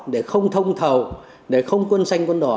để không thông thầu để không quân xanh quân đỏ